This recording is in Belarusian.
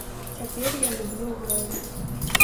Цяпер я люблю гром.